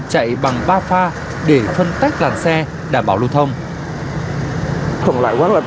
chạy bằng ba pha để phân tách làn xe đảm bảo lưu thông